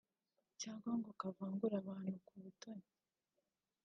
cyangwa ngo kavangure abantu ku ubutoni